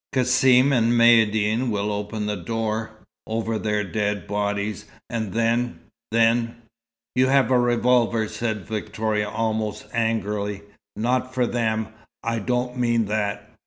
Cassim and Maïeddine will open the door, over their dead bodies, and then then " "You have a revolver," said Victoria, almost angrily. "Not for them, I don't mean that.